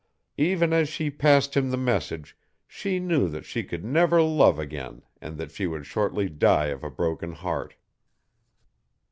Even as she passed him the message she knew that she could never love again and that she would shortly die of a broken heart.